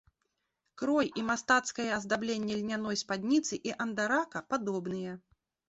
Крой і мастацкае аздабленне льняной спадніцы і андарака падобныя.